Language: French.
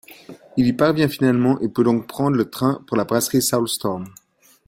Il y parvient finalement et peut donc prendre le train pour la brasserie SoulStorm.